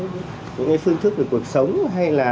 những phương thức về cuộc sống hay là